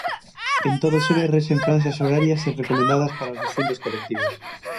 En todos eles rexen franxas horarias recomendadas para os distintos colectivos.